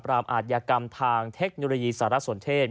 อาทยากรรมทางเทคโนโลยีสารสนเทศ